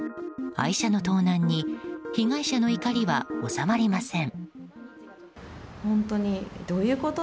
愛車の盗難に被害者の怒りは収まりません。